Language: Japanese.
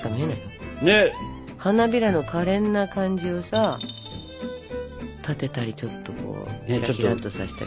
花びらのかれんな感じをさ立てたりちょっとひらっとさせたり。